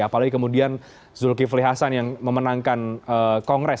apalagi kemudian zulkifli hasan yang memenangkan kongres